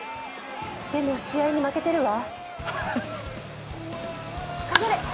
でも試合に負けてるわ。